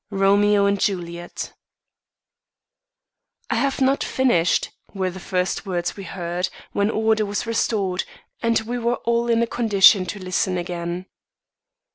Romeo and Juliet "I have not finished," were the first words we heard, when order was restored, and we were all in a condition to listen again.